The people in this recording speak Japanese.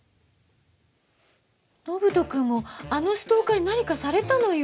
延人君もあのストーカーに何かされたのよ。